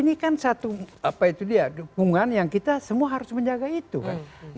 ini kan satu apa itu dia dukungan yang kita semua harus menjaga itu kan